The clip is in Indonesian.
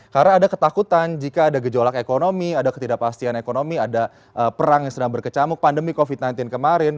karena ada ketakutan jika ada gejolak ekonomi ada ketidakpastian ekonomi ada perang yang sedang berkecamuk pandemi covid sembilan belas kemarin